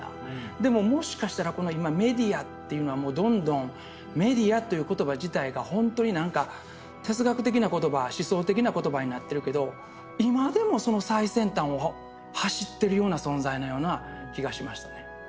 でももしかしたらこの今メディアっていうのはもうどんどんメディアという言葉自体がほんとに何か哲学的な言葉思想的な言葉になってるけど今でもその最先端を走ってるような存在のような気がしましたね。